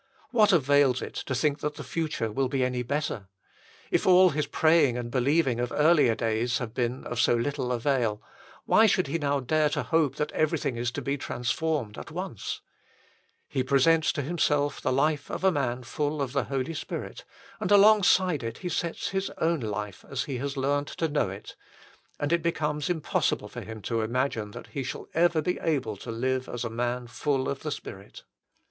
What avails it to think that the future will be any better ? If all his praying and believing of earlier days have been of so little avail, why should he now dare to hope that everything is to be transformed at once ? He presents to himself the life of a man full of the Holy Spirit, and alongside it he sets his own life as he has learned to know it, and it becomes impossible for him to imagine that he shall ever be able to live as a man full of the Spirit.